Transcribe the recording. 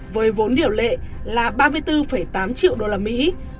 với vốn điều lệ là ba mươi bốn tám triệu đô la mỹ